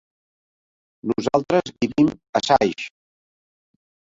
Nosaltres vivim a Saix.